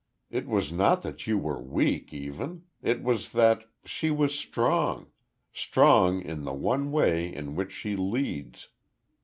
It was not that you were weak, even; it was that she was strong, strong in the one way in which she leads.